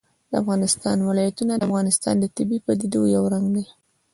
د افغانستان ولايتونه د افغانستان د طبیعي پدیدو یو رنګ دی.